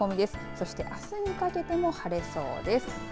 そしてあすにかけても晴れそうです。